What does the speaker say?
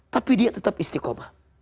tapi dia tetap istikamah